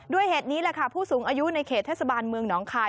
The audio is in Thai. เหตุนี้แหละค่ะผู้สูงอายุในเขตเทศบาลเมืองหนองคาย